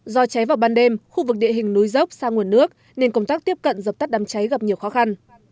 do cháy vào ban đêm khu vực địa hình núi dốc xa nguồn nước nên công tác tiếp cận dập tắt đám cháy gặp nhiều khó khăn